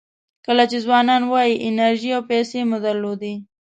کله چې ځوانان وئ انرژي او پیسې مو درلودې.